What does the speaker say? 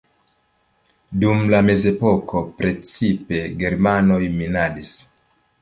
Dum la mezepoko precipe germanoj minadis.